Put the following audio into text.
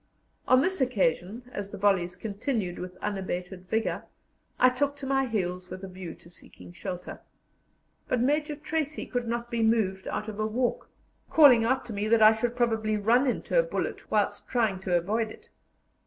On this occasion, as the volleys continued with unabated vigour, I took to my heels with a view to seeking shelter; but Major Tracy could not be moved out of a walk, calling out to me I should probably run into a bullet whilst trying to avoid it.